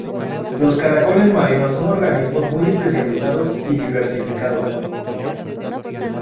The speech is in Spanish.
Los caracoles marinos son organismos muy especializados y diversificados.